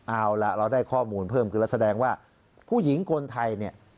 เอาล่ะเราได้ข้อมูลเพิ่มขึ้นแล้วแสดงว่าผู้หญิงคนไทยเนี่ย